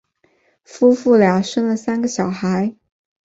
夫妇俩生了三个小孩。